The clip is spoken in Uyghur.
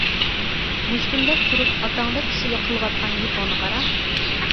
— مۇشتۇمدەك تۇرۇپ، ئاتاڭدەك كىشىگە قىلىۋاتقان گېپىڭنى قارا.